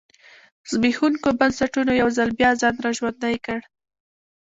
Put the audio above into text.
زبېښونکو بنسټونو یو ځل بیا ځان را ژوندی کړ.